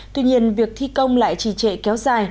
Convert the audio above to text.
tuy nhiên việc thi công lại trì trệ kéo dài